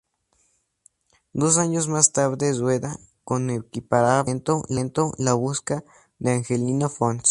Dos años más tarde rueda, con equiparable talento "La busca", de Angelino Fons.